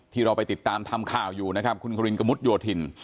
ที่เราไปติดตามทำข่าวอยู่นะครับคุณควินกระมุดโยธิน